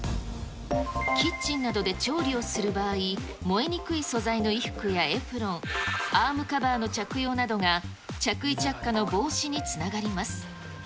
キッチンなどで調理をする場合、燃えにくい素材の衣服やエプロン、アームカバーの着用などが、着衣着火の防止につながります。